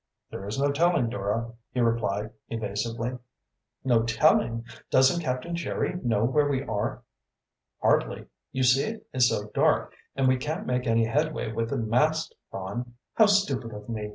"There is no telling, Dora," he replied evasively. "No telling? Doesn't Captain Jerry know where we are?" "Hardly. You see it is so dark, and we can't make any headway with the mast gone." "How stupid of me!